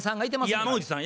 山内さん。